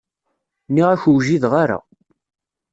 Nniɣ-ak ur wjideɣ ara.